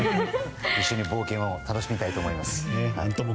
一緒に冒険を楽しみたいと思います。